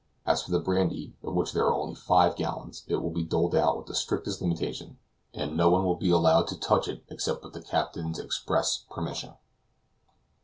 As for the brandy, of which there are only five gallons, it will be doled out with the strictest limitation, and no one will be allowed to touch it except with the captain's express permission.